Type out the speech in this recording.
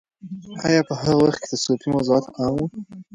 آیا په هغه وخت کې تصوفي موضوعات عام وو؟